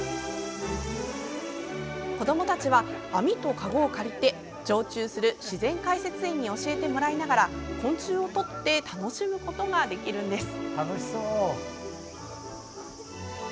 子どもたちは網とかごを借りて常駐する自然解説員に教えてもらいながら昆虫を捕って楽しむことができるんです。